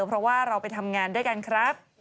เพราะว่าเราไปทำงานด้วยกันครับ